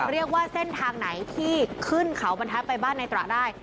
เรียกว่าเส้นทางไหนที่ขึ้นเขาบรรทัศน์ไปบ้านในตระได้